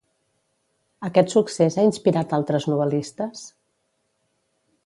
Aquest succés ha inspirat altres novel·listes?